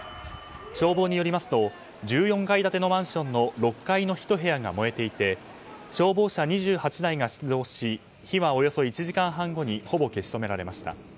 消防によりますと１４階建てのマンションの６階の１部屋が燃えていて消防車２８台が出動し火は、およそ１時間半後にほぼ消し止められました。